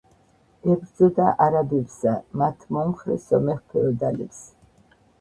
ებრძოდა არაბებსა მათ მომხრე სომეხ ფეოდალებს.